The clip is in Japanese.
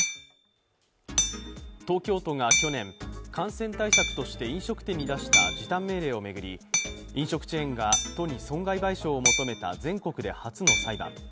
東京都が去年、感染対策として飲食店に出した時短命令を巡り、飲食チェーンが都に損害賠償を求めた全国で初の裁判。